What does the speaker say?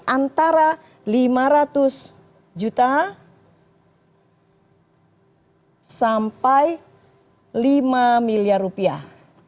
antara lima ratus juta sampai lima miliar rupiah